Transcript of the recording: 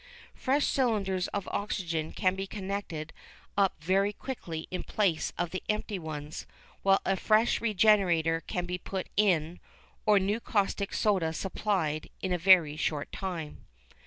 Fresh cylinders of oxygen can be connected up very quickly in place of the empty ones, while a fresh regenerator can be put in, or new caustic soda supplied, in a very short time.